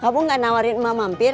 kamu gak nawarin emak mampir